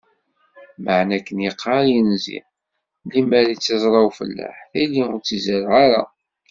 Meεna akken iqqar yinzi: limmer i tt-iẓra ufellaḥ tili ur tt-izerreɛ ara.